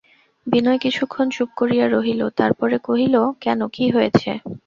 বিনয় কিছুক্ষণ চুপ করিয়া রহিল, তার পরে কহিল, কেন, কী হয়েছে?